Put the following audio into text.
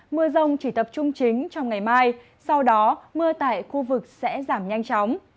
mưa rông chỉ tập trung chính trong ngày mai sau đó mưa tại khu vực sẽ giảm nhanh chóng